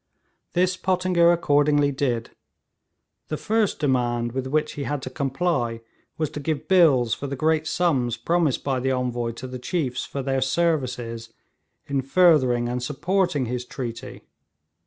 This Pottinger accordingly did. The first demand with which he had to comply was to give bills for the great sums promised by the Envoy to the chiefs for their services in furthering and supporting his treaty.